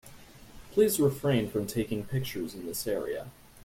Please refrain from taking pictures in this area.